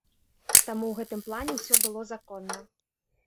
Таму ў гэтым плане ўсё было законна.